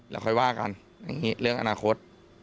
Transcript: แล้วค่อยว่ากันอย่างนี้เรื่องอนาคต